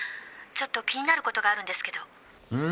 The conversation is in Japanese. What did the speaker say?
ちょっと気になる事があるんですけど」